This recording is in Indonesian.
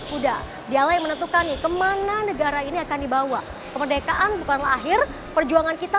udah dialah yang menentukan nih kemana negara ini akan dibawa kemerdekaan bukanlah akhir perjuangan kita